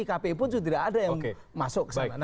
kpi pun sudah tidak ada yang masuk ke sana